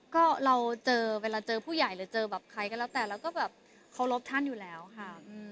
ก็เราเจอเวลาเจอผู้ใหญ่หรือเจอแบบใครก็แล้วแต่เราก็แบบเคารพท่านอยู่แล้วค่ะ